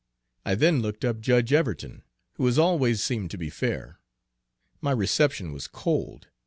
I then looked up Judge Everton, who has always seemed to be fair. My reception was cold.